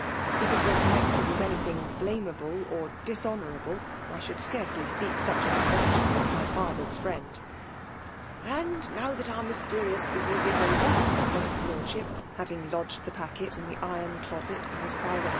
"If ^%ere connected with any thing blameablo (^^dishonourable, I should scarcely seek sneh a^dpotoitary as my faflter s friend." *'^Anfl now that our mysterious busineiul il^c^cr,^ said his Lordship, having lodged the ]^1fet% the iron clbset in his private!